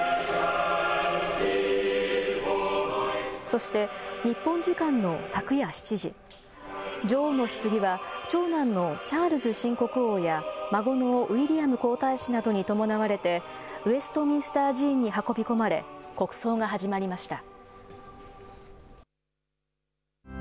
そして、日本時間の昨夜７時、女王のひつぎは、長男のチャールズ新国王や孫のウィリアム皇太子などに伴われて、ウェストミンスター寺院に運び込まれ、国葬が始まりました。